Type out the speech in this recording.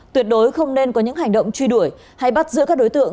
tuyệt đối không nên có những hành động truy đuổi hay bắt giữ các đối tượng